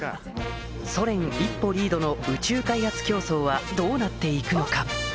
ソ連一歩リードの宇宙開発競争はどうなっていくのか？